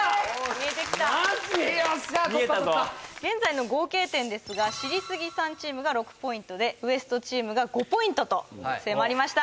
・見えたぞ現在の合計点ですが知りスギさんチームが６ポイントでＷＥＳＴチームが５ポイントと迫りました